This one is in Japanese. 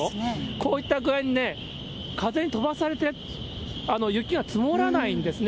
こういった具合に、風に飛ばされて、雪が積もらないんですね。